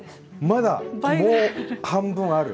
まだもう半分ある？